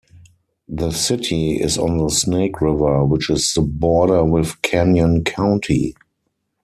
The city is on the Snake River, which is the border with Canyon County.